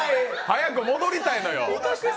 早く戻りたいのよ。